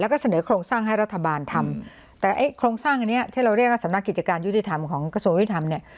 แล้วก็เสนอโครงสร้างให้รัฐบาลทำแต่ไอ้โครงสร้างอันนี้ที่เราเรียกว่าสำนักกิจการยุติธรรมของกระทรวงยุทธรรมเนี่ย